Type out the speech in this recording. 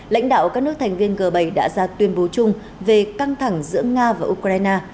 lãnh đạo các nước thành viên g bảy đã ra tuyên bố chung về căng thẳng giữa nga và ukraine